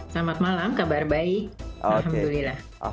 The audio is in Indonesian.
selamat malam kabar baik alhamdulillah